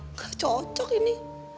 nggak cocok ini